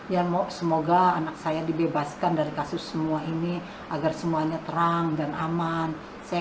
ya semoga anak saya dibebaskan dari kasus semua ini agar semuanya terang dan aman